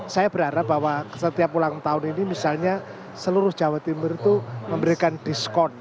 saya berharap bahwa setiap ulang tahun ini misalnya seluruh jawa timur itu memberikan diskon